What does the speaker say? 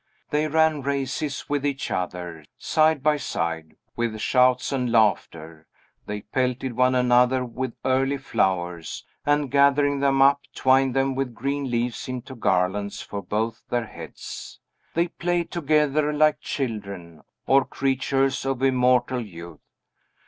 They ran races with each other, side by side, with shouts and laughter; they pelted one another with early flowers, and gathering them up twined them with green leaves into garlands for both their heads. They played together like children, or creatures of immortal youth.